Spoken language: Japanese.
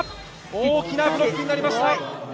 大きなブロックになりました。